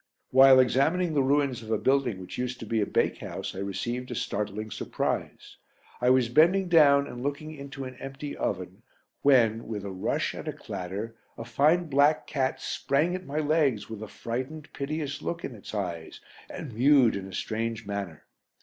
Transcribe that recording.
While examining the ruins of a building which used to be a bakehouse I received a startling surprise. I was bending down and looking into an empty oven when, with a rush and a clatter, a fine black cat sprang at my legs with a frightened, piteous look in its eyes, and mewed in a strange manner.